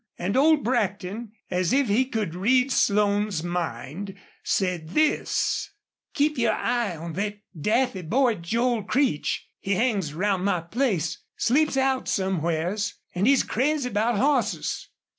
And old Brackton, as if he read Slone's mind, said this: "Keep your eye on thet daffy boy, Joel Creech. He hangs round my place, sleeps out somewheres, an' he's crazy about hosses."